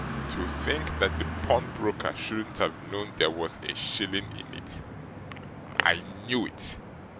To think that the pawnbroker shouldn't have known there was a shilling in it! I knew it!